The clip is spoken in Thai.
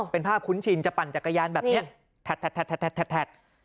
เป็นภาพคุ้นชินจะปั่นจักรยานแบบนี้แท็ด